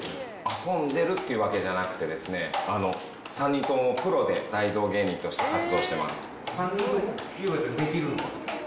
遊んでるっていうわけじゃなくてですね、３人ともプロで大道芸人として活動してます。